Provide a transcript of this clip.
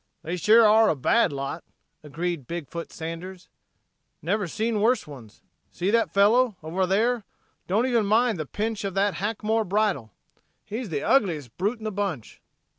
"They sure are a bad lot," agreed Big foot Sanders. "Never seen worse ones. See that fellow, over there, don't even mind the pinch of that hackmore bridle. He's the ugliest brute in the bunch."